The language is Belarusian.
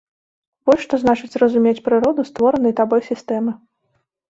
Вось што значыць разумець прыроду створанай табой сістэмы!